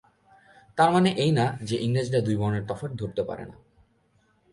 তার মানে এই না যে, ইংরেজরা দুই বর্ণের তফাৎ ধরতে পারে না।